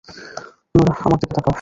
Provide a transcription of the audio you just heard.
Norah, আমার দিকে তাকাও।